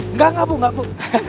enggak enggak bu